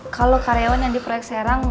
kalau karyawan yang di proyek serang